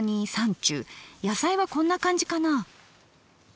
野菜はこんな感じかなぁ。